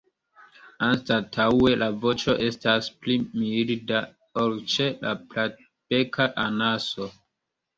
Anstataŭe la voĉo estas pli milda ol ĉe la Platbeka anaso.